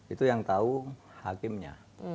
itu yang tahu hakimnya